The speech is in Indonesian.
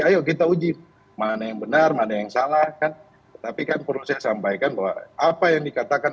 ayo kita uji mana yang benar mana yang salah kan tapi kan perlu saya sampaikan bahwa apa yang dikatakan